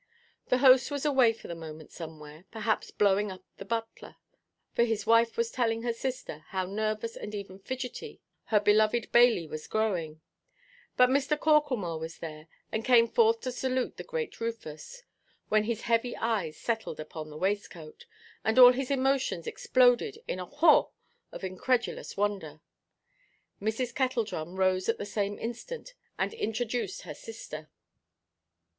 The host was away for the moment somewhere, perhaps blowing up the butler, for his wife was telling her sister how nervous and even fidgety her beloved Bailey was growing; but Mr. Corklemore was there, and came forth to salute the great Rufus, when his heavy eyes settled upon the waistcoat, and all his emotions exploded in a "haw" of incredulous wonder. Mrs. Kettledrum rose at the same instant, and introduced her sister.